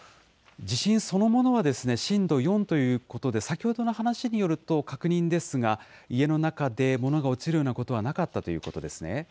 地震そのものは震度４ということで、先ほどの話によると、確認ですが、家の中で物が落ちるようなことはなかったということですね。